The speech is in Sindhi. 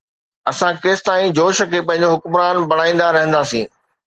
اسان ڪيستائين جوش کي پنهنجو حڪمران بڻائيندا رهنداسين؟